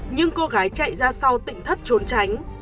nhưng cô gái chạy ra sau tỉnh thất trốn tránh